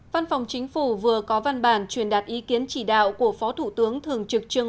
văn phòng chính phủ vừa có văn bản truyền đạt ý kiến chỉ đạo của phó thủ tướng thường trực trương